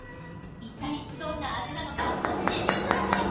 一体どんな味なのか教えてください。